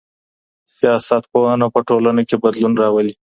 سياست پوهنه په ټولنه کي بدلون راولي.